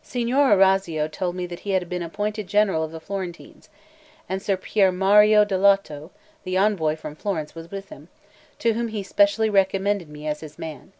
Signor Orazio told me that he had been appointed general of the Florentines; and Sir Pier Maria del Lotto, the envoy from Florence, was with him, to whom he specially recommended me as his man.